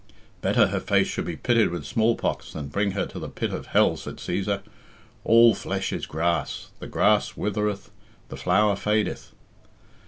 "Better her face should be pitted with smallpox than bring her to the pit of hell," said Cæsar. "All flesh is grass: the grass withereth, the flower fadeth."